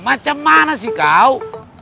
macem mana sih kau